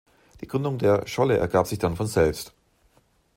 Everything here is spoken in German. Die Gründung der ‚Scholle‘ ergab sich dann von selbst.